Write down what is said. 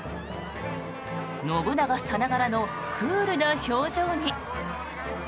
信長さながらのクールな表情に。